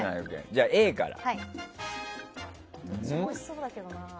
じゃあ、Ａから。